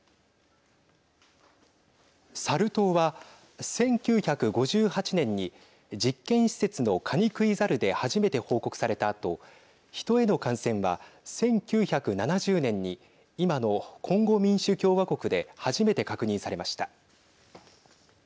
サル痘は１９５８年に実験施設のカニクイザルで初めて報告されたあとヒトへの感染は１９７０年に今のコンゴ民主共和国で初めて確認されました。